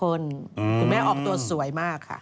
คุณแม่ออกตัวสวยมากค่ะ